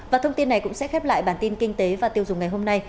và thông tin này cũng sẽ khép lại bản tin kinh tế và tiêu dùng ngày hôm nay